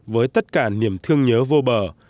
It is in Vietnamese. với tất cả niềm thương nhớ vô bờ